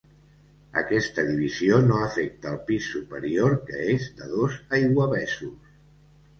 Aquesta divisió no afecta el pis superior que és de dos aiguavessos.